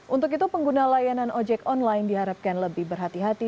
untuk itu pengguna layanan ojek online diharapkan lebih berhati hati